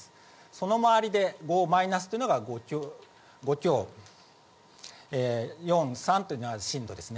その周りで５マイナスというのが５強、４、３というのは震度です